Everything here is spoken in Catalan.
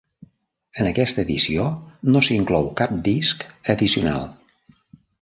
En aquesta edició no s'inclou cap disc addicional.